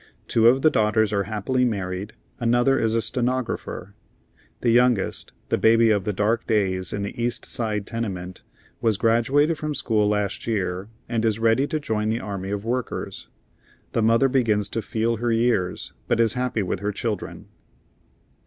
Two of the daughters are happily married; another is a stenographer. The youngest, the baby of the dark days in the East Side tenement, was graduated from school last year and is ready to join the army of workers. The mother begins to feel her years, but is happy with her children."